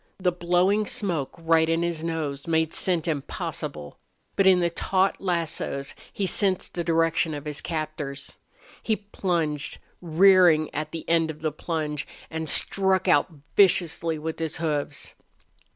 The blowing smoke, right in his nose, made scent impossible. But in the taut lassos he sensed the direction of his captors. He plunged, rearing at the end of the plunge, and struck out viciously with his hoofs.